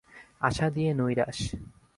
আশা দিয়ে নৈরাশ!